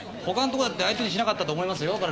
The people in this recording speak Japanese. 他のとこだって相手にしなかったと思いますよ